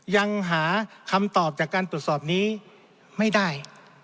ยังหาคำตอบจากการตรวจสอบนี้ไม่ได้